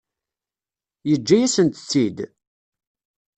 Yeǧǧa-yasent-tt-id?